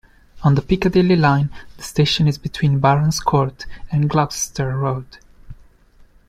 On the Piccadilly line the station is between Barons Court and Gloucester Road.